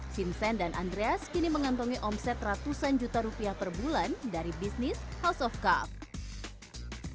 vincent dan andreas kini mengantongi omset ratusan juta rupiah per bulan dari bisnis house of cup